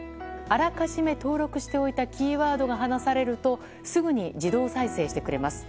あらかじめ登録しておいたキーワードが話されるとすぐに自動再生してくれます。